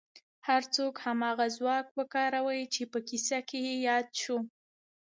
هر څوک هماغه ځواک وکاروي چې په کيسه کې ياد شو.